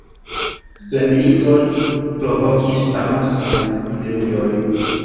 La militoj provokis amasajn epidemiojn.